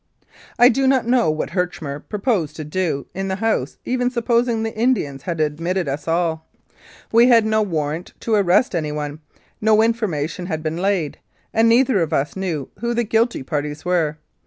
I do not know what Herchmer proposed to do in the house even supposing the Indians had admitted us all. We had no warrant to arrest anyone no information had been laid, and neither of us knew who the guilty parties were.